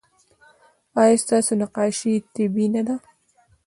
ایا ستاسو نقاشي طبیعي نه ده؟